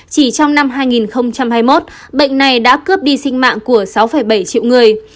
chỉ trong năm hai nghìn hai mươi một bệnh này đã cướp đi sinh mạng của sáu bảy triệu người